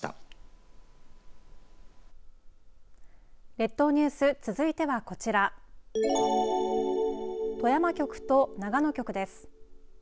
列島ニュース続いてはこちら富山局と長野局です。